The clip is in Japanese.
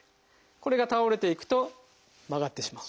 これが倒れていくと曲がってしまう。